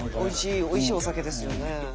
おいしいお酒ですよね。